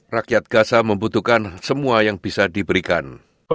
rakyat gaza membutuhkan semua yang bisa diberikan